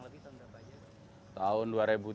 kurang lebih tahun berapa aja